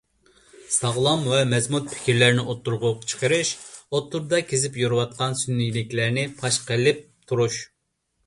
ساغلام ۋە مەزمۇت پىكىرلەرنى ئوتتۇرىغا چىقىرىش، ئوتتۇرىدا كېزىپ يۈرىۋاتقان سۈنئىيلىكلەرنى پاش قىلىپ تۇرۇش.